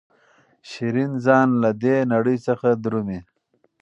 شیرین ځان له دې نړۍ څخه درومي.